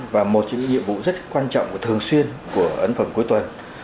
và một trong những nhiệm vụ rất quan trọng và thường xuyên của ấn phẩm cuối tuần